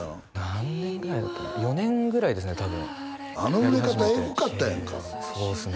何年ぐらいだったんだろ４年ぐらいですね多分あの売れ方エグかったやんかそうっすね